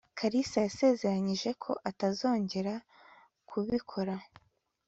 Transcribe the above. kalisa yasezeranyije ko atazongera kubikora